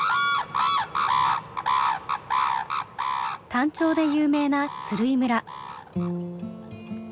タンチョウで有名な鶴居村。